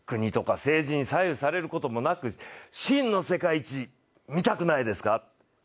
国とか政治に左右されることなく真の世界一、見たくないですか。